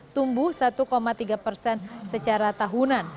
tumbuh satu tiga persen secara tahunan